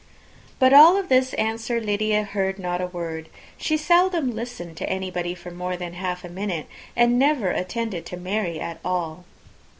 But of this answer Lydia heard not a word. She seldom listened to anybody for more than half a minute, and never attended to Mary at all.